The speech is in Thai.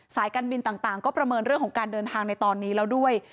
การบินต่างก็ประเมินเรื่องของการเดินทางในตอนนี้แล้วด้วย